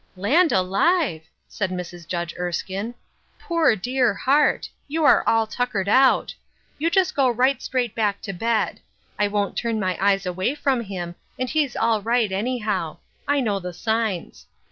" Land alive I " said Mrs. Judge Erskine. " Poor, dear heart ! You are all tuckered out ! You just go right straight back to bed. I won't turn my eyes away from him, and he's all light ^>yhow. I know the signs.